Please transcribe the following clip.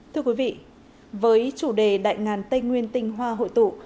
thưa quý vị với chủ đề đại ngàn tây nguyên tinh hoa hội tụ